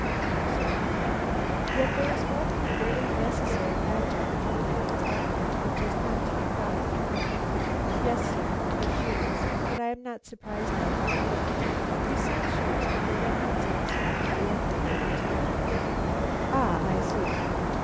"No, sir." "Yet there is one very necessary adjunct to a woman's outfit which is not to be found here." "Yes, sir, the shoes; but I am not surprised at that. We sent shoes, but they were not satisfactory, and they were returned." "Ah, I see.